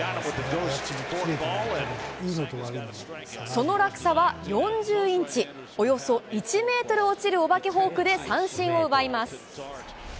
その落差は４０インチ、およそ１メートル落ちる、お化けフォークで三振を奪います。